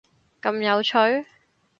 咁有趣？！